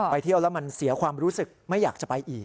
เที่ยวแล้วมันเสียความรู้สึกไม่อยากจะไปอีก